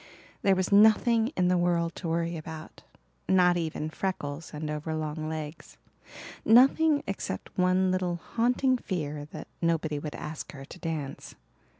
There was nothing in the world to worry about not even freckles and over long legs nothing except one little haunting fear that nobody would ask her to dance.